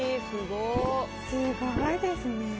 すごいですね。